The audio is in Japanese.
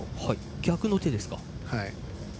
逆の手です。